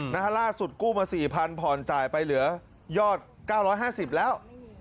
ล่าสุดกู้มา๔๐๐ผ่อนจ่ายไปเหลือยอด๙๕๐แล้ว